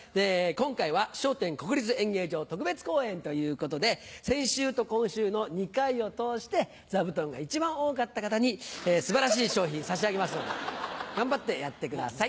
今回は『笑点』×国立演芸場特別公演ということで先週と今週の２回を通して座布団が一番多かった方に素晴らしい賞品差し上げますので頑張ってやってください。